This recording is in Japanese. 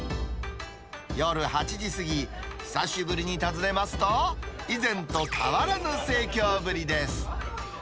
夜８時過ぎ、久しぶりに訪ねますと、以前と変わらぬ盛況ぶりです。